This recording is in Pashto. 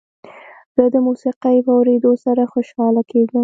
زه د موسیقۍ په اورېدو سره خوشحاله کېږم.